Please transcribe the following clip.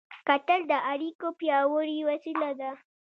کتل د اړیکو پیاوړې وسیله ده